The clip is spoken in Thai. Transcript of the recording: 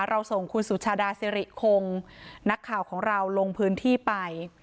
เราส่งคุณสุชาดาสิริคงนักข่าวของเราลงพื้นที่ไป